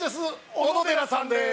小野寺さんです。